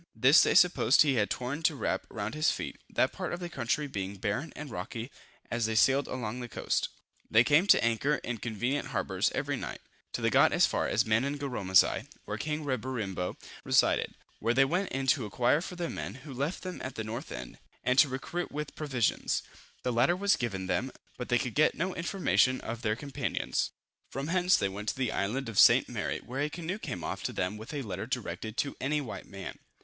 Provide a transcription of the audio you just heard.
This they supposed he had torn to wrap round his feet; that part of the country being barren and rocky. As they sailed along this coast, they came to anchor in convenient harbors every night, till they got as far as Manangaromasigh, where king Reberimbo resided, where they went in to inquire for their men, who left them at the north end, and to recruit with provisions. The latter was given them, but they could get no information of their companions. From hence they went to the island of St. Mary, where a canoe came off to them with a letter directed to any white man.